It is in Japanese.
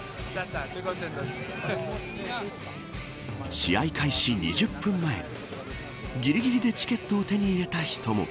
試合開始２０分前ぎりぎりでチケットを手に入れた人も。